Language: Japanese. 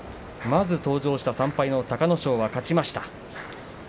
まず登場した３敗の隆の勝は勝ちました。